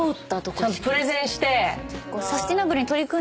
ちゃんとプレゼンして。